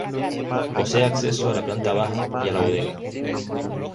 Posee acceso a la planta baja y a la bodega.